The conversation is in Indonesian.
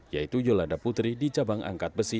yaitu yolanda putri di cabang angkat besi